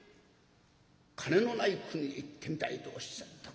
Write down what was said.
金のない国へ行ってみたいとおっしゃった。